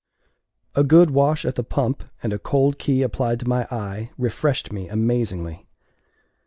A good wash at the pump, and a cold key applied to my eye, refreshed me amazingly.